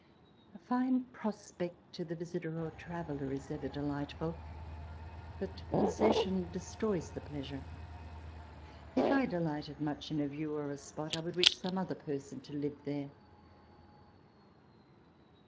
A fine prospect to the visitor or traveller is ever delightful but possession destroys the pleasure. If I delighted much in a view or a spot, I would wish some other person to live there.